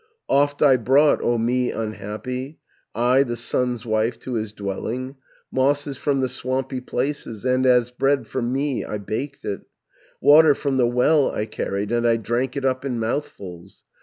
"Oft I brought, O me unhappy, I, the son's wife, to his dwelling, 600 Mosses from the swampy places, And as bread for me I baked it. Water from the well I carried, And I drank it up in mouthfuls.